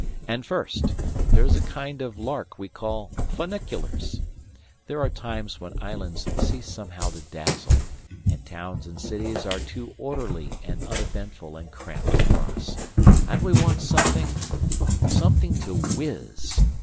And first, there is a kind of lark we call Funiculars. There are times when islands cease somehow to dazzle, and towns and cities are too orderly and uneventful and cramped for us, and we want something something to whizz.